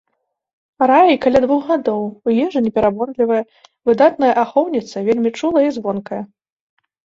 Раі каля двух гадоў, у ежы не пераборлівая, выдатная ахоўніца, вельмі чулая і звонкая.